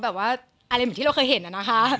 อะไรเหมือนที่เราเห็นแล้วนะคะ